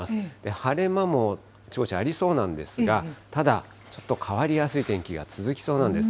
晴れ間もあちこちありそうなんですが、ただ、ちょっと変わりやすい天気が続きそうなんです。